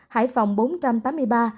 hải phòng một bốn trăm tám mươi ba ca